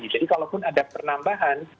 jadi kalau pun ada penambahan